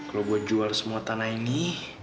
kalau buat jual semua tanah ini